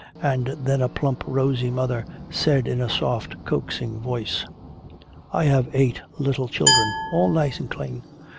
And then a plump rosy mother said in a soft coaxing voice, "I have eight little children, all nice and clean.